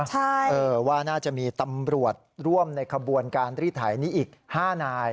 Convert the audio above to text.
ใช่เออว่าน่าจะมีตำรวจร่วมในขบวนการรีดไถนี้อีก๕นาย